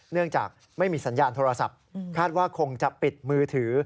เนื่องจากไม่มีสัญญาณโทรศัพท์คาดว่าคงจะปิดมือถือ